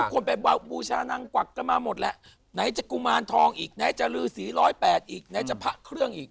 คนไปบูชานางกวักกันมาหมดแหละไหนจะกุมารทองอีกไหนจะลือสี๑๐๘อีกไหนจะพระเครื่องอีก